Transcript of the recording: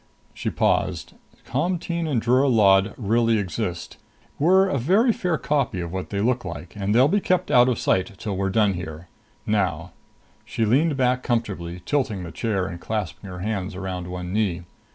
She paused. "Comteen and Drura Lod really exist. We're a very fair copy of what they look like, and they'll be kept out of sight till we're done here. Now " She leaned back comfortably, tilting the chair and clasping her hands around one knee.